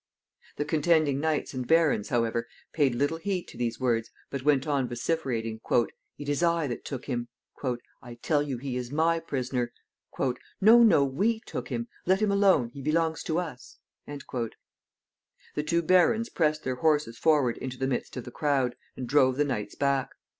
The contending knights and barons, however, paid little heed to these words, but went on vociferating, "It is I that took him." "I tell you he is my prisoner." "No, no, we took him. Let him alone. He belongs to us." The two barons pressed their horses forward into the midst of the crowd, and drove the knights back.